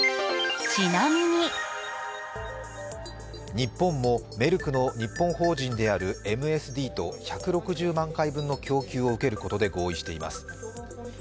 日本も、メルクの日本法人であるＭＳＤと１６０万回分の供給を受けることで合意しています。